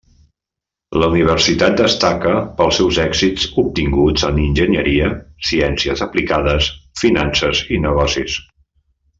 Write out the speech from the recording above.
La universitat destaca pels seus èxits obtinguts en enginyeria, ciències aplicades, finances i negocis.